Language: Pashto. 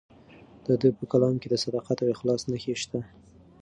د ده په کلام کې د صداقت او اخلاص نښې شته.